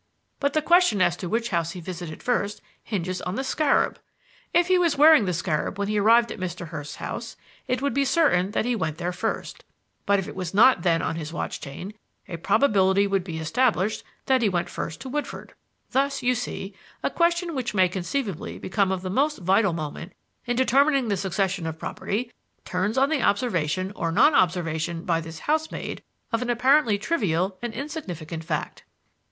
"But the question as to which house he visited first hinges on the scarab. If he was wearing the scarab when he arrived at Mr. Hurst's house, it would be certain that he went there first; but if it was not then on his watch chain, a probability would be established that he went first to Woodford. Thus, you see, a question which may conceivably become of the most vital moment in determining the succession of property turns on the observation or non observation by this housemaid of an apparently trivial and insignificant fact."